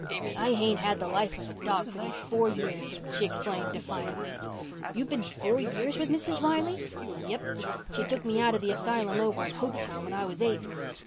"I hain't had the life of a dog for these four years," she explained defiantly. "You've been four years with Mrs. Wiley?" "Yip. She took me out of the asylum over in Hopetown when I was eight."